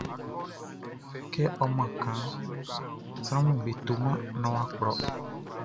Kɛ ɔ man kanʼn, sranʼm be toman naan wʼa kplɔ.